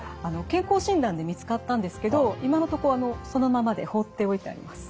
健康診断で見つかったんですけど今のとこそのままで放っておいてあります。